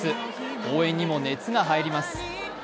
応援にも熱が入ります。